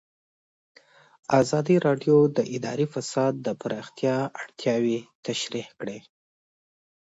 ازادي راډیو د اداري فساد د پراختیا اړتیاوې تشریح کړي.